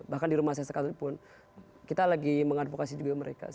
bahkan di rumah saya sekalipun kita lagi mengadvokasi juga mereka